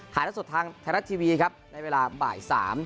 ถ่ายเท้าสดทางไทยรัฐทีวีครับในเวลาบ่าย๓